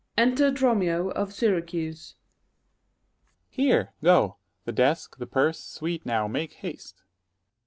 Enter DROMIO of Syracuse. Dro. S. Here! go; the desk, the purse! sweet, now, make haste.